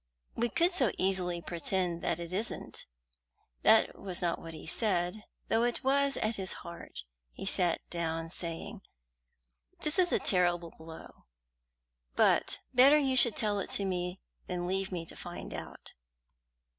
"We could so easily pretend that it isn't." That was not what he said, though it was at his heart. He sat down, saying: "This is a terrible blow, but better you should tell it to me than leave me to find it out."